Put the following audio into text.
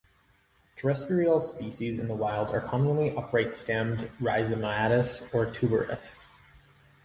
Terrestrial species in the wild are commonly upright-stemmed, rhizomatous, or tuberous.